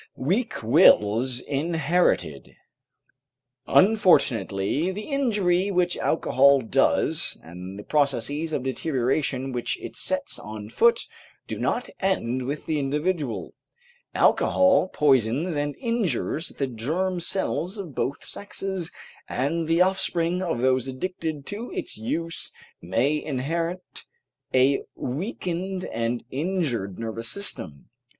WEAK WILLS INHERITED Unfortunately, the injury which alcohol does, and the processes of deterioration which it sets on foot, do not end with the individual. Alcohol poisons and injures the germ cells of both sexes, and the offspring of those addicted to its use may inherit a weakened and injured nervous system.